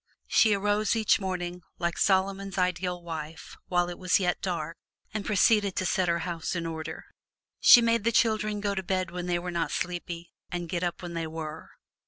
She arose each morning, like Solomon's ideal wife, while it was yet dark, and proceeded to set her house in order. She made the children go to bed when they were not sleepy and get up when they were.